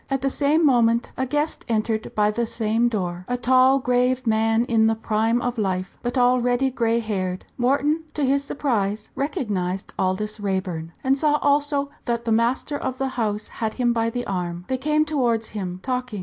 At the same moment a guest entered by the same door, a tall grave man in the prime of life, but already grey haired. Wharton, to his surprise, recognised Aldous Raeburn, and saw also that the master of the house had him by the arm. They came towards him, talking.